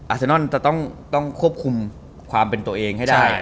เซนอนจะต้องควบคุมความเป็นตัวเองให้ได้